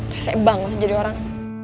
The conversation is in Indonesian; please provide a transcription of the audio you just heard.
reset banget mau jadi orang